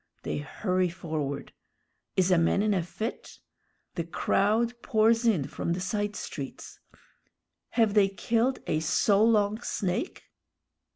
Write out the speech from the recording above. They hurry forward. Is a man in a fit? The crowd pours in from the side streets. Have they killed a so long snake?